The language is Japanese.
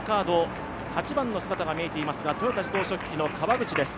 ８番の姿が見えていますが豊田自動織機の川口です。